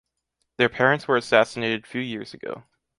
Their parents were assassinated few years ago.